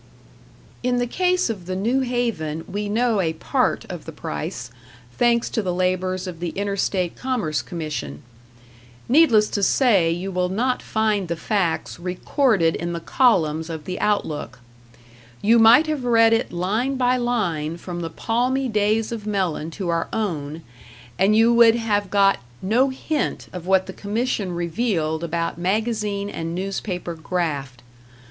In the case of the New Haven, we know a part of the price thanks to the labors of the Interstate Commerce Commission. Needless to say, you will not find the facts recorded in the columns of the Outlook; you might have read it line by line from the palmy days of Mellen to our own, and you would have got no hint of what the Commission revealed about magazine and newspaper graft.